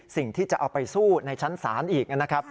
สิ่งที่จะเอาไปสู้ในชั้นศาลอีก